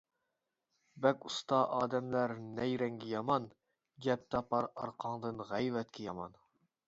بەك ئۇستا ئادەملەر نەيرەڭگە يامان، گەپ تاپار ئارقاڭدىن، غەيۋەتكە يامان.